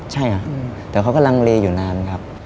ใช่ค่ะแต่เขากำลังเลอยู่นานครับ